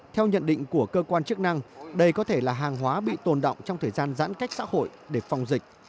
theo nhận định của cơ quan chức năng đây có thể là hàng hóa bị tồn động trong thời gian giãn cách xã hội để phòng dịch